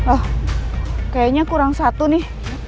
oh kayaknya kurang satu nih